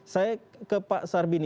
saya ke pak sarbini